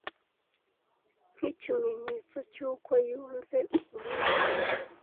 nk’ikimenyetso cy’uko yunze ubumwe na Papa